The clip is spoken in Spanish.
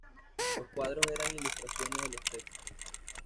Los cuadros eran ilustraciones de los textos.